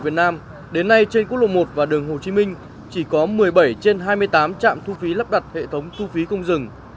trên hai mươi tám trạm thu phí lắp đặt hệ thống thu phí không dừng